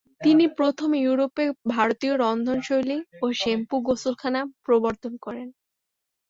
তিনি প্রথম ইউরোপে ভারতীয় রন্ধনশৈলী ও শ্যাম্পু গোসলখানা প্রবর্তন করেন।